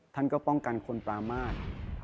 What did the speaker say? ท่านก็ป้องกันคนปรามาท